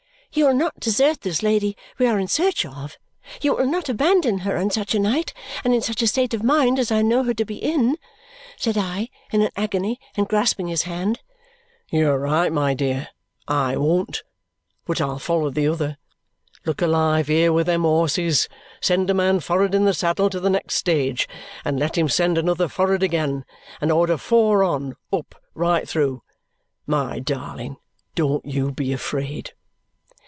"You will not desert this lady we are in search of; you will not abandon her on such a night and in such a state of mind as I know her to be in!" said I, in an agony, and grasping his hand. "You are right, my dear, I won't. But I'll follow the other. Look alive here with them horses. Send a man for'ard in the saddle to the next stage, and let him send another for'ard again, and order four on, up, right through. My darling, don't you be afraid!"